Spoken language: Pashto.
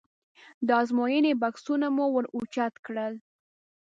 د ازموینې بکسونه مو ور اوچت کړل.